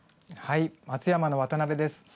松山の渡部です。